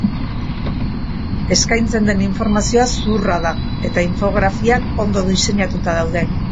Eskaintzen den informazioa zuhurra da eta infografiak ondo diseinatuta daude.